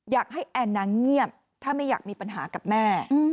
แอนนางเงียบถ้าไม่อยากมีปัญหากับแม่